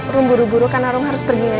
rum buru buru karena rum harus pergi ngajar